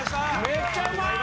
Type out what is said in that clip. めっちゃうまい！